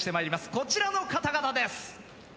こちらの方々です。